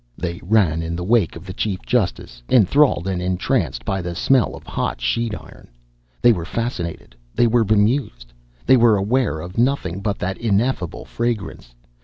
They ran in the wake of the chief justice, enthralled and entranced by the smell of hot sheet iron. They were fascinated. They were bemused. They were aware of nothing but that ineffable fragrance.